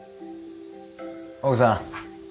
奥さん！